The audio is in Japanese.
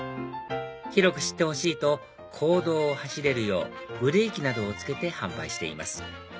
広く知ってほしいと公道を走れるようブレーキなどを付けて販売しています